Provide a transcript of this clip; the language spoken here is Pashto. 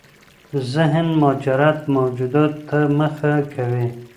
ذهن مجرد موجوداتو ته مخه کوي.